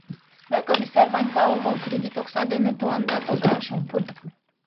Мый Комиссар Ванька омыл, кредит окса дене тыланда торгаяш ом пу.